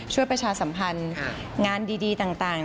ประชาสัมพันธ์งานดีต่าง